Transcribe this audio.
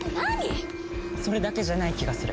それだけじゃない気がする。